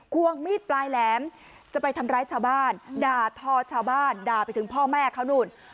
วงมีดปลายแหลมจะไปทำร้ายชาวบ้านด่าทอชาวบ้านด่าไปถึงพ่อแม่เขานู่น